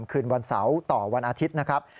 คืนวันเสาร์ต่อวันอาทิตย์นะครับ